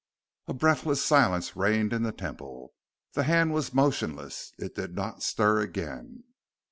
A breathless silence reigned in the Temple. The hand was motionless. It did not stir again.